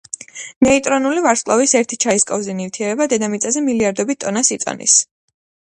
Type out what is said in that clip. ნეიტრონული ვარსკვლავის ერთი ჩაის კოვზი ნივთიერება დედამიწაზე მილიარდობით ტონას იწონის.